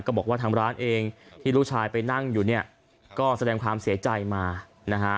บอกว่าทางร้านเองที่ลูกชายไปนั่งอยู่เนี่ยก็แสดงความเสียใจมานะฮะ